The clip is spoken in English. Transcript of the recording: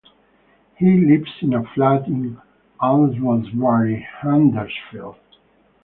He lives in a flat in Almondbury, Huddersfield.